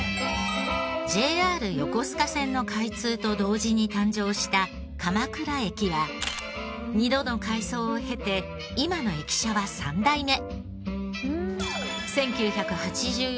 ＪＲ横須賀線の開通と同時に誕生した鎌倉駅は２度の改装を経て今の駅舎は３代目。